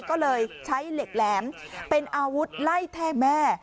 ก็เลยใช้เหล็กแหลมเป็นอาวุธไล่แทงแม่